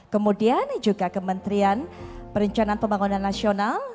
kemudian juga kementerian perencanaan pembangunan nasional